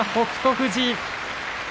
富士。